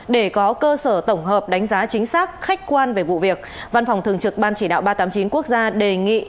để có cơ sở tổng hợp đánh giá chính xác khách quan về vụ việc văn phòng thường trực ban chỉ đạo ba trăm tám mươi chín quốc gia đề nghị